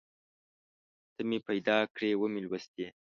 ته مې پیدا کړې ومې لوستې